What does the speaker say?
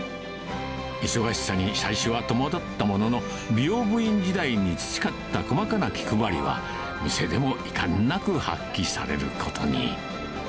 忙しさに最初は戸惑ったものの、美容部員時代に培った細かな気配りは、店でもいかんなく発揮されることに。